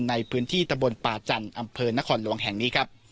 ในพื้นที่ตะบนป่าจันทร์อำเภอนครหลวงแห่งนี้ครับ